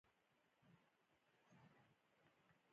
هغه خپلې خبرې په دې توګه پسې اوږدې کړې.